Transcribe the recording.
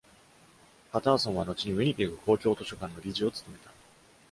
パターソンは後にウィニペグ公共図書館の理事を務めた。